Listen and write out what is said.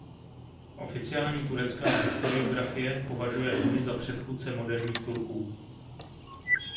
Oficiální turecká historiografie považuje Huny za předchůdce moderních Turků.